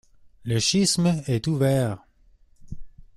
Le schisme est ouvert.